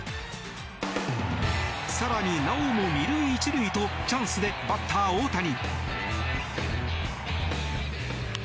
更に、なおも２塁１塁とチャンスでバッター、大谷。